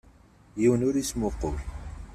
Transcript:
Yiwen ur yesmuqul.